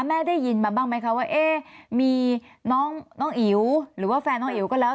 ได้ยินมาบ้างไหมคะว่ามีน้องอิ๋วหรือว่าแฟนน้องอิ๋วก็แล้ว